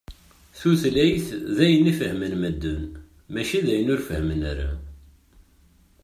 Tutlayt d ayen i fehhmen medden, mačči d ayen ur fehhmen ara.